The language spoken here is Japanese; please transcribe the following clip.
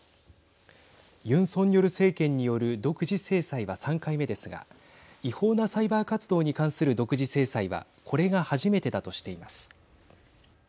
ユン・ソンニョル政権による独自制裁は３回目ですが違法なサイバー活動に関する独自制裁はこれが初めてだとしています。